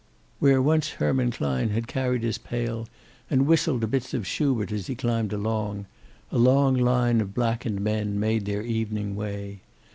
Where once Herman Klein had carried his pail and whistled bits of Shubert as he climbed along, a long line of blackened men made their evening way.